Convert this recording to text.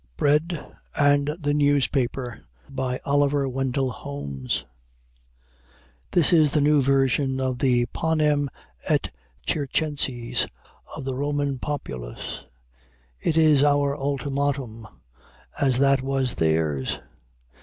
BREAD AND THE NEWSPAPER OLIVER WENDELL HOLMES This is the new version of the Panem et Circenses of the Roman populace. It is our ultimatum, as that was theirs.